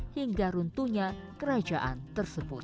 hingga runtuhnya kerajaan tersebut